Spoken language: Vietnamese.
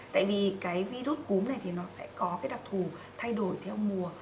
tại vì cái virus cúm này thì nó sẽ có cái đặc thù thay đổi theo mùa